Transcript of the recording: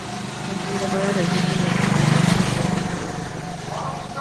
Cofundadora del Centro de Documentación y Biblioteca de las Mujeres.